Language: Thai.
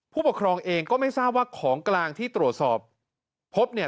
ผู้ปกครองเองก็ไม่ทราบว่าของกลางที่ตรวจสอบพบเนี่ย